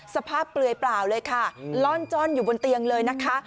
เปลือยเปล่าเลยค่ะล่อนจ้อนอยู่บนเตียงเลยนะคะ